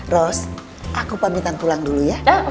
rose aku pamitang pulang dulu ya